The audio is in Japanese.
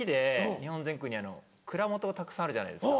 日本全国に蔵元がたくさんあるじゃないですか。